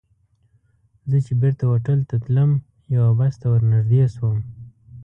زه چې بېرته هوټل ته تلم، یوه بس ته ور نږدې شوم.